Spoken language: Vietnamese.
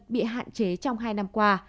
bị hạn chế trong hai năm qua